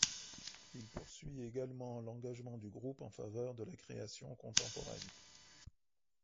Il poursuit également l’engagement du Groupe en faveur de la création contemporaine.